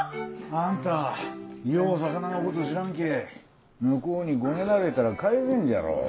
あんたよう魚のこと知らんけぇ向こうにごねられたら返せんじゃろ。